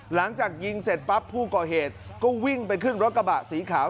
หลังจากยิงเสร็จปั๊บผู้ก่อเหตุก็วิ่งไปขึ้นรถกระบะสีขาว